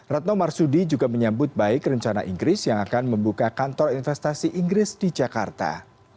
retno marsudi juga menyambut baik rencana inggris yang akan membuka kantor investasi inggris di jakarta